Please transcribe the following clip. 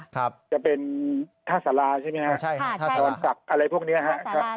ครับจะเป็นท่าสาราใช่ไหมครับตอนจับอะไรพวกนี้ครับครับ